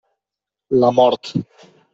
La mort.